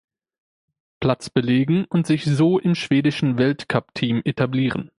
Platz belegen und sich so im schwedischen Weltcupteam etablieren.